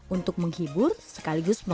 untuk menghibur sekaligus mengedul